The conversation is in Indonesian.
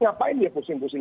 ngapain dia pusing pusing